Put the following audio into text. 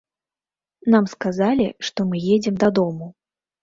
Нам сказалі, што мы едзем дадому.